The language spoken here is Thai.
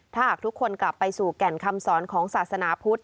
ถ้าหากทุกคนกลับไปสู่แก่นคำสอนของศาสนาพุทธ